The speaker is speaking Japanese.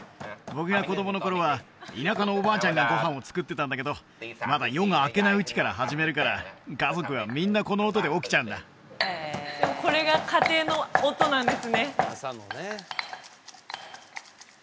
僕が子どもの頃は田舎のおばあちゃんがご飯を作ってたんだけどまだ夜が明けないうちから始めるから家族はみんなこの音で起きちゃうんだでもこれが家庭の音なんですね